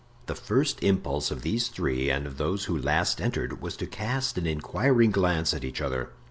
The first impulse of these three, and of those who last entered, was to cast an inquiring glance at each other.